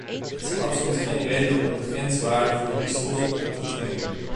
Ik zie absoluut geen reden om de grenswaarden voor die stoffen op te trekken.